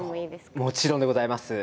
もちろんでございます！